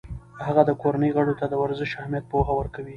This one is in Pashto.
هغه د کورنۍ غړو ته د ورزش اهمیت پوهه ورکوي.